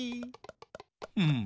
うん。